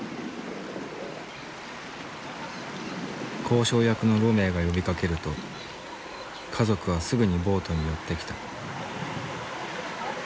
交渉役のロメウが呼びかけると家族はすぐにボートに寄ってきた。